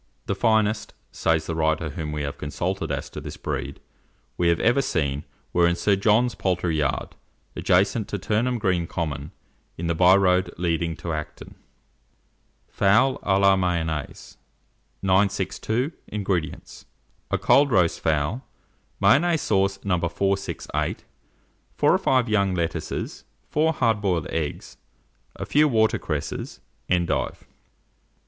"The finest," says the writer whom we have consulted as to this breed, "we have ever seen, were in Sir John's poultry yard, adjacent to Turnham Green Common, in the byroad leading to Acton." FOWL A LA MAYONNAISE. 962. INGREDIENTS. A cold roast fowl, Mayonnaise sauce No. 468, 4 or 5 young lettuces, 4 hard boiled eggs, a few water cresses, endive.